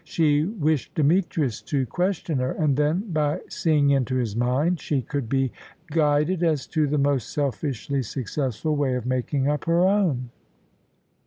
She wished Demetrius to question her, and then, by seeing into his mind, she could be guided as to the most selfishly successful way of making up her own.